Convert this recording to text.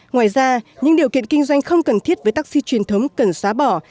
ngoài ra những điều kiện kinh doanh không cần thiết với taxi truyền thống cần xóa bỏ